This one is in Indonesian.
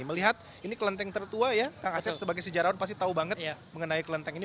melihat ini kelenteng tertua ya kang asep sebagai sejarawan pasti tahu banget mengenai kelenteng ini